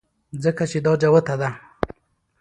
ځکه چې دا جوته ده